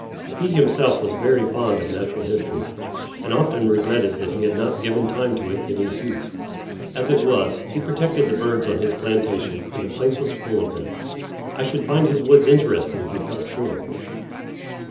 He himself was very fond of natural history, and often regretted that he had not given time to it in his youth. As it was, he protected the birds on his plantation, and the place was full of them. I should find his woods interesting, he felt sure.